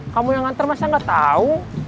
kamu yang nganter masa gak tau